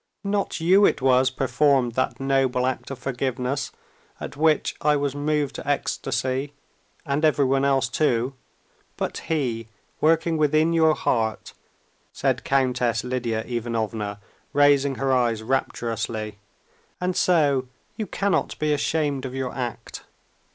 "Not you it was performed that noble act of forgiveness, at which I was moved to ecstasy, and everyone else too, but He, working within your heart," said Countess Lidia Ivanovna, raising her eyes rapturously, "and so you cannot be ashamed of your act."